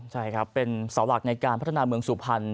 ใช่ครับเป็นเสาหลักในการพัฒนาเมืองสุพรรณ